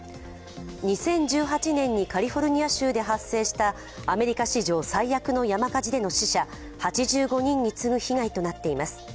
２０１８年にカリフォルニア州で発生したアメリカ史上最悪の山火事での死者８５人に次ぐ死者となっています。